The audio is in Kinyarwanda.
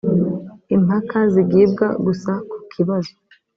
impaka zigibwa gusa ku kibazo